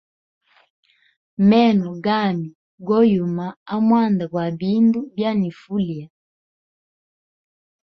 Meno gami go yuma amwanda gwa bindu bya nifa ulya.